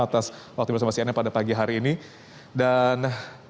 atas waktu bersama saya pada pagi hari ini dan